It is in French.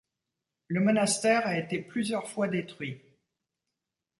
Le monastère a été plusieurs fois détruit.